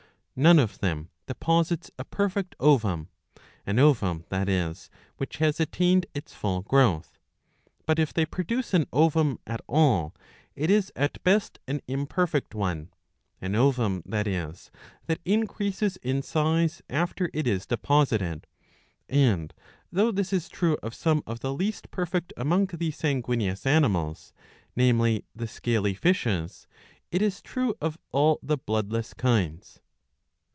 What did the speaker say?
None of them deposits a perfect ovum, an ovum, that is, which has attained its full growth ; but if they produce an ovum at all, it is at best an imperfect one, an ovum, that is, that increases in size after it is deposited ; and though this is true of some of the least perfect among the Sanguineous animals, namely, the scaly fishes, it is true of all the Bloodless kinds.